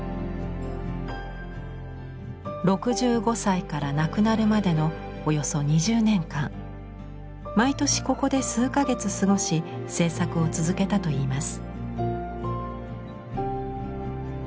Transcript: ６５歳から亡くなるまでのおよそ２０年間毎年ここで数か月過ごし制作を続けたといいます。